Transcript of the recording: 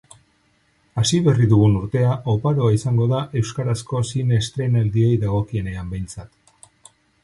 Hasi berri dugun urtea oparoa izango da euskarazko zine estreinaldiei dagokienean behintzat.